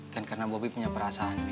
kan karena bobi punya perasaan